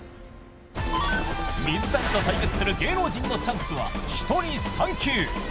水谷と対決する芸能人のチャンスは１人３球。